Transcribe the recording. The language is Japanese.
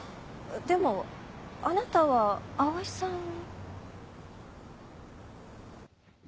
でもあなたは葵さんを。